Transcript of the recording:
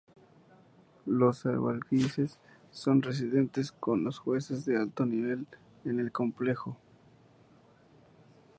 Los Alguaciles son residentes con los jueces de alto nivel en el complejo.